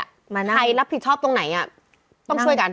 ใครรับผิดชอบตรงไหนต้องช่วยกัน